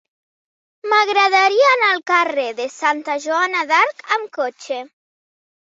M'agradaria anar al carrer de Santa Joana d'Arc amb cotxe.